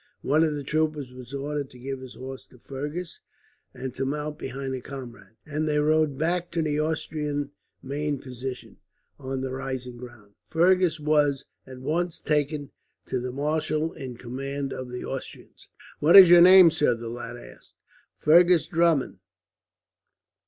One of the troopers was ordered to give his horse to Fergus, and to mount behind a comrade; and they rode back to the Austrian main position, on the rising ground. Fergus was at once taken to the marshal in command of the Austrians. "What is your name, sir?" the latter asked. "Fergus Drummond.